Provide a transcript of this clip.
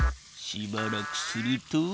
しばらくすると。